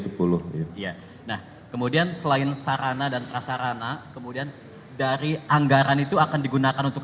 nah kemudian selain sarana dan prasarana kemudian dari anggaran itu akan digunakan untuk